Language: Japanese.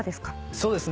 そうですね